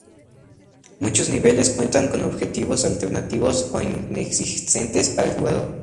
Muchos niveles cuentan con objetivos alternativos o inexistentes para el jugador.